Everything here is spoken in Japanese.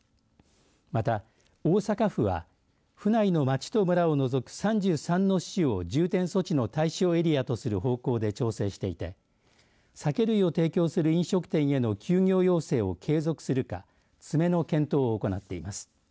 また、大阪府は府内の町と村を除く３３の市を重点措置の対象エリアとする方向で調整していて酒類を提供する飲食店への休業要請を継続するか詰めの検討を行っています。